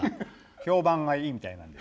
評判がいいみたいなんで。